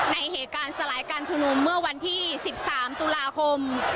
ในเหตุการณ์สลายการชุมนุมเมื่อวันที่๑๓ตุลาคม